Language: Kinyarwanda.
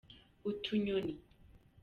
utunyoni.